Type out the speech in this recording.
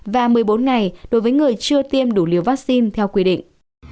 và một mươi bốn ngày đối với người chưa tiêm đủ liều vaccine theo quy định